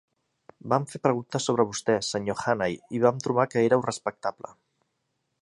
Vam fer preguntes sobre vostè, senyor Hannay, i vam trobar que éreu respectable.